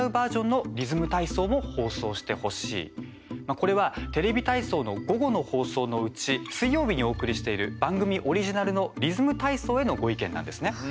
これはテレビ体操の午後の放送のうち水曜日にお送りしている番組オリジナルのリズム体操へのご意見なんですね。